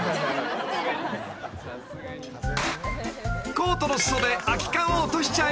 ［コートの裾で空き缶を落としちゃいました］